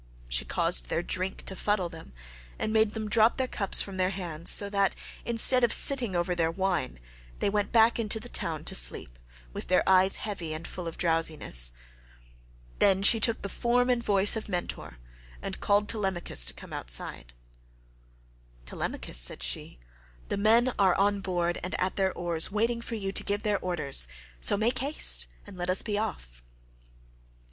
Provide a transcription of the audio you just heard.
She caused their drink to fuddle them, and made them drop their cups from their hands, so that instead of sitting over their wine, they went back into the town to sleep, with their eyes heavy and full of drowsiness. Then she took the form and voice of Mentor, and called Telemachus to come outside. "Telemachus," said she, "the men are on board and at their oars, waiting for you to give your orders, so make haste and let us be off."